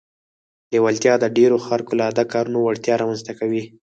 لېوالتیا د ډېرو خارق العاده کارونو وړتیا رامنځته کوي